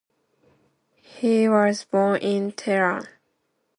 He was born in Tehran.